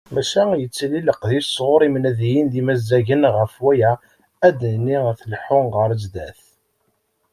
Maca yettili leqdic sɣur imnadiyen d yimazzagen, ɣef waya ad d-nini tleḥḥu ɣer sdat.